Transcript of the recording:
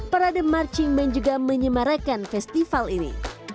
perada marching band juga menyemarekan festival ini